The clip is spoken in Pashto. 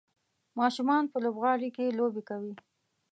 ماشومان په لوبغالي کې لوبې کوي.